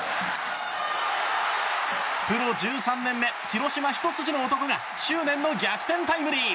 プロ１３年目、広島ひと筋の男が執念の逆転タイムリー！